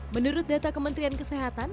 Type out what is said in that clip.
menurut data kementerian kesehatan